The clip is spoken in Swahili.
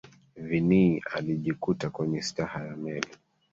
viinnie alijikuta kwenye staha ya meli